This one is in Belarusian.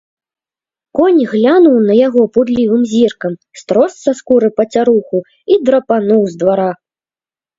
Конь глянуў на яго пудлівым зіркам, строс са скуры пацяруху і драпануў з двара.